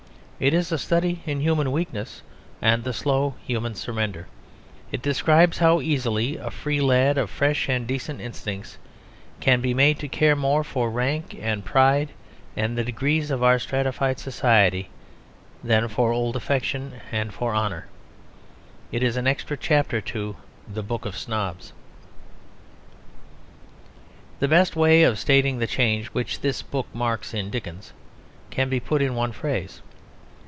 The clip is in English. It is a study in human weakness and the slow human surrender. It describes how easily a free lad of fresh and decent instincts can be made to care more for rank and pride and the degrees of our stratified society than for old affection and for honour. It is an extra chapter to The Book of Snobs. The best way of stating the change which this book marks in Dickens can be put in one phrase.